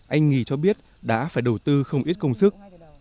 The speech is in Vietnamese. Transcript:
anh nghi cho biết đã phải đầu tư không ít công sức